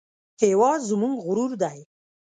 هېواد زموږ غرور دی